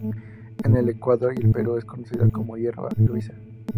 En el Ecuador y el Perú es conocida como hierba luisa.